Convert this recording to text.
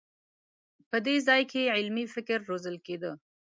په دې ځای کې علمي فکر روزل کېده.